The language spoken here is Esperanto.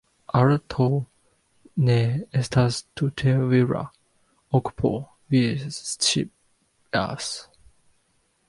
Arto ne estas tute vira okupo, vi scias.